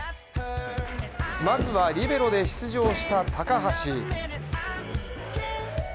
まずはリベロで出場した高橋。